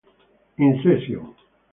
In Session